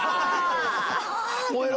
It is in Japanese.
はい。